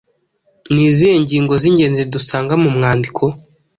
Ni izihe ngingo z’ingenzi dusanga mu mwandiko.